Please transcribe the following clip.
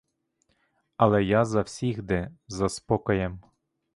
Але я завсігди за спокоєм.